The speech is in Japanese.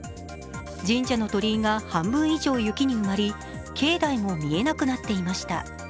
神社の鳥居が半分以上雪に埋まり境内も見えなくなっていました。